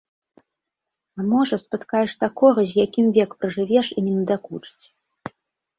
А можа, спаткаеш такога, з якім век пражывеш і не надакучыць.